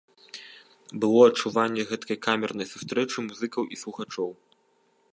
Было адчуванне гэткай камернай сустрэчы музыкаў і слухачоў.